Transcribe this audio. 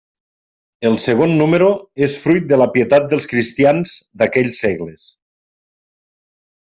El segon número és fruit de la pietat dels cristians d'aquells segles.